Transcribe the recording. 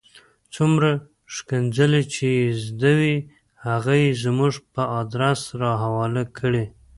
څومره ښکنځلې چې یې زده وې هغه یې زموږ په آدرس را حواله کړې.